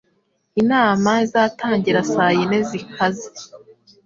Inama izatangira saa yine zikaze.